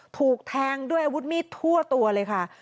ถูกแทงด้วยอาวุธมีดทั่วตัวเลยค่ะ